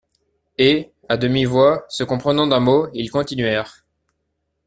Et, à demi-voix, se comprenant d'un mot, ils continuèrent.